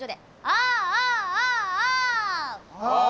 「ああああ！」。